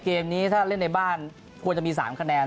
เกมนี้ถ้าเล่นในบ้านควรจะมี๓คะแนน